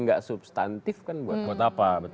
tapi gak substantif kan buat apa